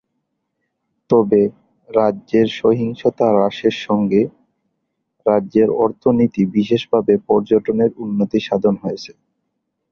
তবে, রাজ্যের সহিংসতা হ্রাসের সঙ্গে রাজ্যের অর্থনীতি বিশেষভাবে পর্যটনের উন্নতি সাধন হয়েছে।